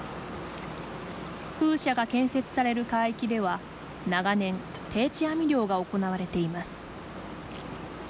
風車が建設される海域では長年、定置網漁が行われています。